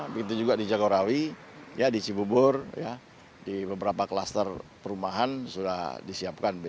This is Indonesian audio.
begitu juga di jagorawi di cibubur di beberapa kluster perumahan sudah disiapkan